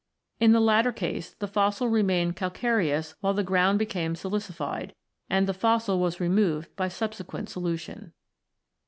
In the latter case, the fossil remained calcareous while the ground became silicified, and the fossil was removed by subsequent solution.